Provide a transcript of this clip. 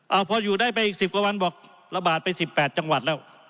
เอาพออยู่ได้ไปอีก๑๐กว่าวันบอกระบาดไป๑๘จังหวัดแล้ว